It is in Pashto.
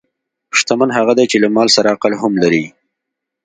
شتمن هغه دی چې له مال سره عقل هم لري.